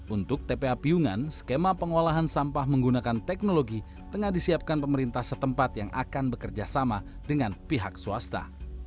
untuk tpa piyungan skema pengolahan sampah menggunakan teknologi tengah disiapkan pemerintah setempat yang akan bekerja sama dengan pihak swasta